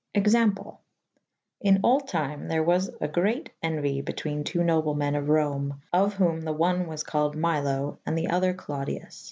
Example. In olde tyme there was grete enuy betweene .ii. noble men of Rome of whome the one was callyd Mylo / and the other Clodyus.